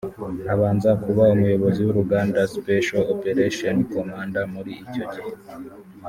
abanza kuba umuyobozi w’urugamba (Special Operations Command) muri icyo gihe